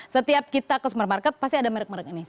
setiap kita ke supermarket pasti ada merek merek ini